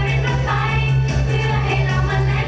เอาลักทุนใจไว้นำ